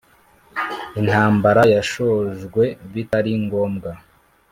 intambara yashojwe bitali ngombwa